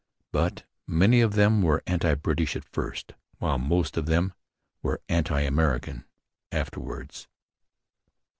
But many of them were anti British at first, while most of them were anti American afterwards.